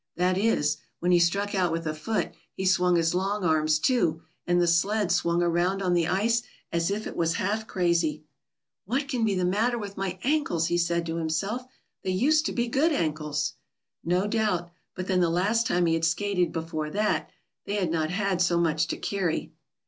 That is, when he struck out with a foot he swung his long arms too, and the sled swung around on the ice as if it was half crazy. "What can be the matter with my ankles?" he said to himself. "They used to be good ankles." No doubt; but then the last time he had skated before that, they had not had so much to carry.